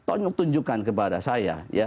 oh iya tunjukkan kepada saya